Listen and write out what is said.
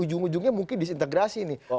ujung ujungnya mungkin disintegrasi nih